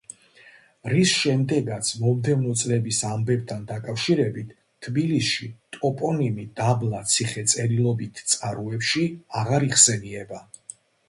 რის შემდეგაც, მომდევნო წლების ამბებთან დაკავშირებით, თბილისში ტოპონიმი დაბლა ციხე წერილობით წყაროებში აღარ იხსენიება.